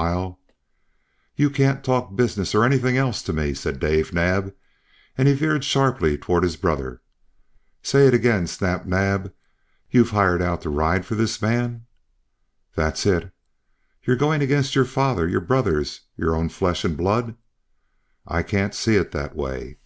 I'll " "You can't talk business or anything else to me," said Dave Naab, and he veered sharply toward his brother. "Say it again, Snap Naab. You've hired out to ride for this man?" "That's it." "You're going against your father, your brothers, your own flesh and blood?" "I can't see it that way."